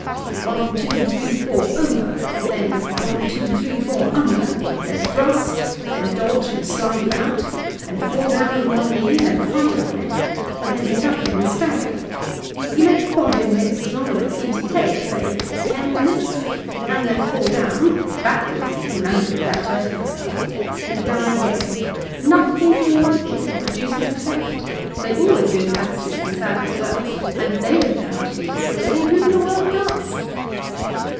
One two three four over ; then, one two three four under ; then thrust ; then dodge and slide about ; then fall down on one knee ; then fight upon it, and then get up again and stagger. You may keep on doing this, as long as it seems to take say ten minutes and then fall down (backwards, if you can manage it without hurting yourself), and die game : nothing like it for producing an effect. They always do it at Astley's and Sadler's Wells, and if they don't know how to do this sort of thing, who in the world does